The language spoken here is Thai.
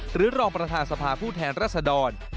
หรือรองประธาสภาผู้แทนรัฐธร